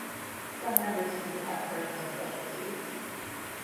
Some members seem to have personal specialties.